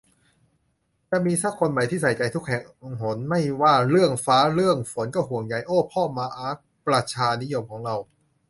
"จะมีสักคนไหมที่ใส่ใจทุกแห่งหนไม่ว่าเรื่องฟ้าเรื่องฝนก็ห่วงใย" โอ้พ่อมาร์คประชานิยมของเรา